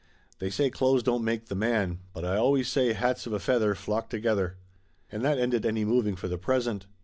They say clothes don't make the man, but I always say hats of a feather flock together." And that ended any moving for the present.